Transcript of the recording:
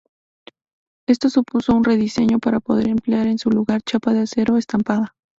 Esto supuso un rediseño para poder emplear en su lugar chapa de acero estampada.